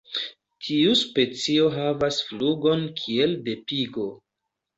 Tiu specio havas flugon kiel de pigo.